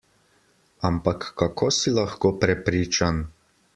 Ampak kako si lahko prepričan?